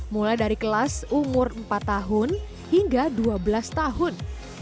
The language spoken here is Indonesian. mulai dari kelas umur empat tahun hingga dua belas tahun